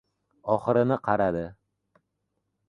Oxirini qaradi.